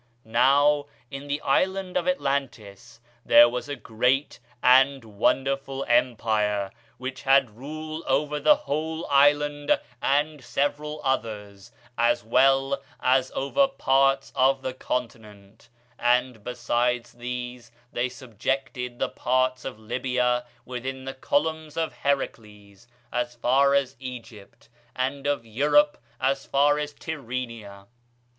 Now, in the island of Atlantis there was a great and wonderful empire, which had rule over the whole island and several others, as well as over parts of the continent; and, besides these, they subjected the parts of Libya within the Columns of Heracles as far as Egypt, and of Europe as far as Tyrrhenia.